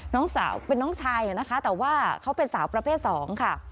น้องสาวเป็นน้องชายนะคะแต่ว่าเขาเป็นสาวประเภทสองค่ะ